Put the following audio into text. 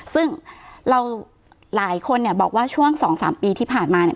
ซึ่งเราหลายคนเนี่ยบอกว่าช่วง๒๓ปีที่ผ่านมาเนี่ย